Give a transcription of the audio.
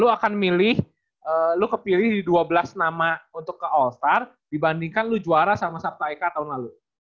lu akan milih lo kepilih di dua belas nama untuk ke all star dibandingkan lu juara sama sabta eka tahun lalu